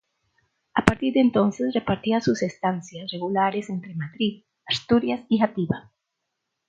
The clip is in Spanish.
A partir de entonces repartía sus estancias regulares entre Madrid, Asturias Y Játiva.